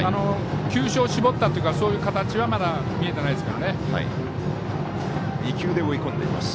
球種を絞ったというかそういう形はまだ見えてないです。